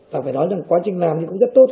và phải nói rằng quá trình làm thì cũng rất tốt